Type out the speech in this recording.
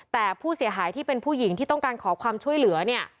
แต่ผู้เสียหายที่เป็นผู้หญิงที่ต้องการขอความช่วยเหลือเนี่ย